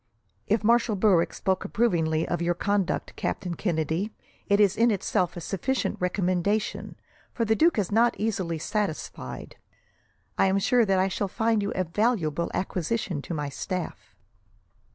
"If Marshal Berwick spoke approvingly of your conduct, Captain Kennedy, it is in itself a sufficient recommendation, for the duke is not easily satisfied. I am sure that I shall find you a valuable acquisition to my staff."